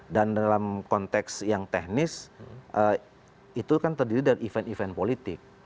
dan dalam konteks yang teknis itu kan terdiri dari event event politik